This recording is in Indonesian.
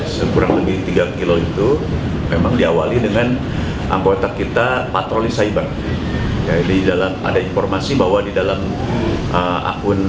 sepertinya agen nasional karena dia menggunakan